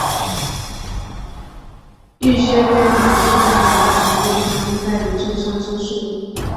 一些编码器在很大程度上依赖于这项技术。